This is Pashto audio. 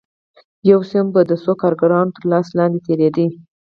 یو سیم به د څو کارګرانو تر لاس لاندې تېرېده